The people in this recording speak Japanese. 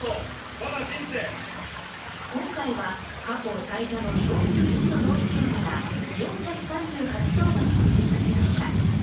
今回は、過去最多の４１の道府県から４３８頭が出品されました。